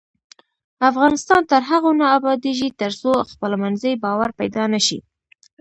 افغانستان تر هغو نه ابادیږي، ترڅو خپلمنځي باور پیدا نشي.